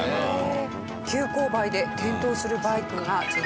急勾配で転倒するバイクが続出。